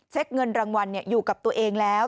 เงินรางวัลอยู่กับตัวเองแล้ว